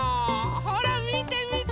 ほらみてみて。